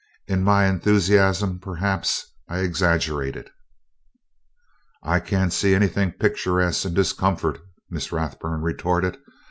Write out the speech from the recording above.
In my enthusiasm, perhaps I exaggerated." "I can't see anything picturesque in discomfort," Miss Rathburn retorted.